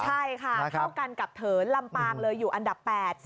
ใช่ค่ะเท่ากันกับเถินลำปางเลยอยู่อันดับ๘